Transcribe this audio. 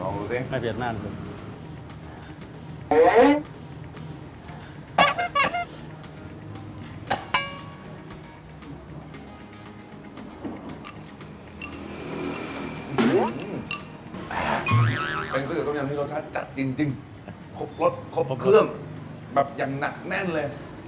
เป็นซื่อเต๋อกำแยมรสชาติจัดจริงจริงครบครสครบเครื่องแบบอย่างหนักแน่นเลย